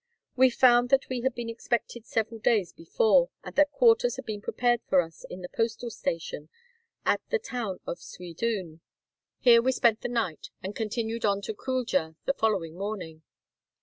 We found that we had been expected several days before, and that quarters had been prepared for us in the postal station at the town of Suidun. Here we spent the night, and continued on to Kuldja the following morning.